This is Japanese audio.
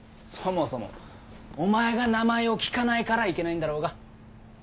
そもそもお前が名前を聞かないからいけないんだろうが。